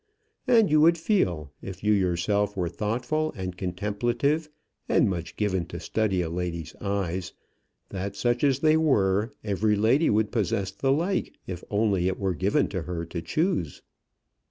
And you would feel, if you yourself were thoughtful and contemplative, and much given to study a lady's eyes, that, such as they were, every lady would possess the like if only it were given to her to choose.